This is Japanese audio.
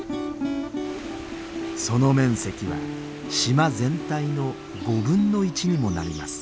その面積は島全体の５分の１にもなります。